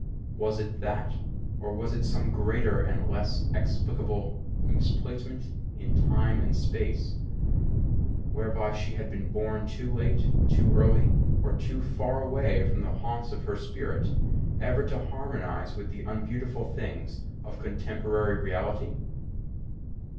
Was it that, or was it some greater and less explicable misplacement in Time and Space, whereby she had been born too late, too early, or too far away from the haunts of her spirit ever to harmonise with the unbeautiful things of contemporary reality?